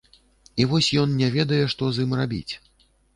І вось ён не ведае, што з ім рабіць.